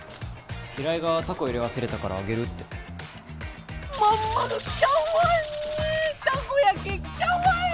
平井がたこ入れ忘れたからあげるって真ん丸きゃわいい！